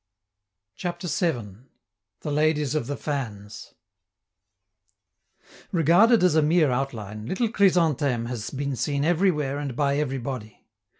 CHAPTER VII. THE LADIES OF THE FANS Regarded as a mere outline, little Chrysantheme has been seen everywhere and by everybody.